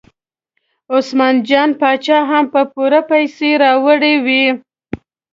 عثمان جان باچا هم په پور پیسې راوړې وې.